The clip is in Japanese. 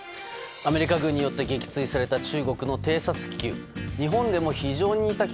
アメリカ軍によって撃墜された中国の偵察気球。